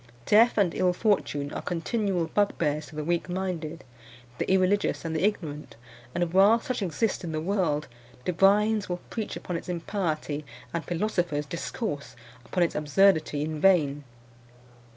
Death and ill fortune are continual bugbears to the weak minded, the irreligious, and the ignorant; and while such exist in the world, divines will preach upon its impiety and philosophers discourse upon its absurdity in vain.